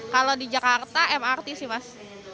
kalau di jakarta mrt sih mas